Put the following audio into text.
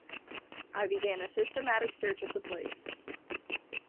I began a systematic search of the place.